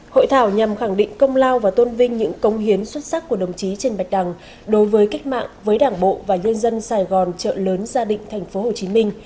hội thảo nhằm khẳng định công lao và tôn vinh những công hiến xuất sắc của đồng chí trần bạch đằng đối với cách mạng với đảng bộ và dân dân sài gòn trợ lớn gia đình tp hcm